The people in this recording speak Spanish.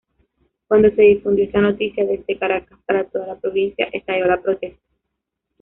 Cuando se difundió esta noticia desde Caracas para toda la provincia, estalló la protesta.